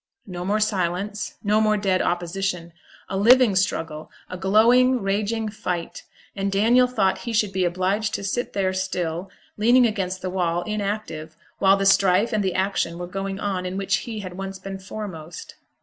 No more silence, no more dead opposition: a living struggle, a glowing, raging fight; and Daniel thought he should be obliged to sit there still, leaning against the wall, inactive, while the strife and the action were going on in which he had once been foremost.